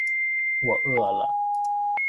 我饿了